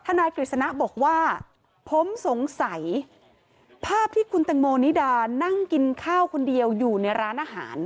นายกฤษณะบอกว่าผมสงสัยภาพที่คุณแตงโมนิดานั่งกินข้าวคนเดียวอยู่ในร้านอาหาร